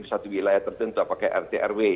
di satu wilayah tertentu apakah rt rw